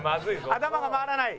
「頭が回らない」